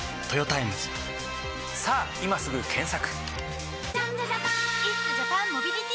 さぁ今すぐ検索！